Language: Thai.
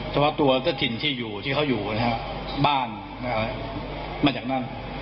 เฉพาะตัวเจ้าถิ่นที่อยู่ที่เขาอยู่นะฮะบ้านมาจากนั่น